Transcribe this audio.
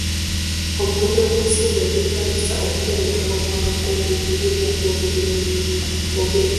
Omuwendo gw'ensimbi ogwetaagisa okukebera akawuka ka kolona gujja kwogerebwa.